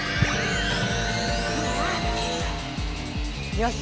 よし！